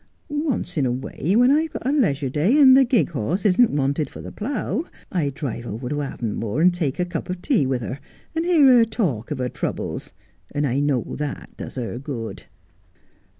Once in a way, when I've got a leisure day, and the gig horse isn't wanted for the plough, I drive over to Avonmore and take a cup of tea with her, and hear her talk of her troubles, and I know that does her good.'